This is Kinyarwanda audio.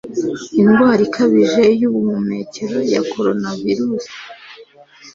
Indwara ikabije yubuhumekero ya coronavirusi